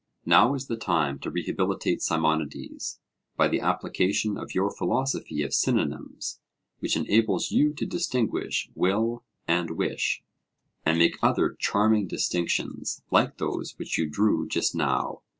Now is the time to rehabilitate Simonides, by the application of your philosophy of synonyms, which enables you to distinguish 'will' and 'wish,' and make other charming distinctions like those which you drew just now.